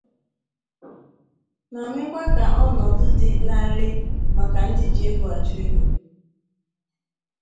ma mekwa ka ọnọdụ dị larịị maka ndị ji ego achụ ego